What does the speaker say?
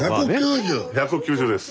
１９０です。